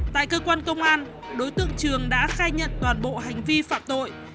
tại cơ quan công an đối tượng trường đã khai nhận toàn bộ hành vi phạm tội